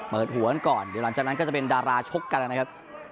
หวนก่อนเดี๋ยวหลังจากนั้นก็จะเป็นดาราชกกันนะครับ